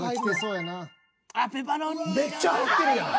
めっちゃ入ってるやん。